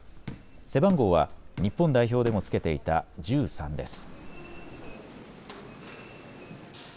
背番号は日本代表でもつけていた１３です。